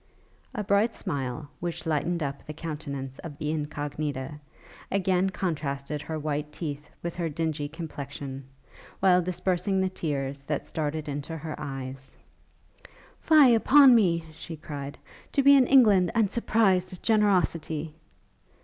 A bright smile, which lightened up the countenance of the Incognita, again contrasted her white teeth with her dingy complexion; while dispersing the tears that started into her eyes, 'Fie upon me!' she cried, 'to be in England and surprised at generosity!'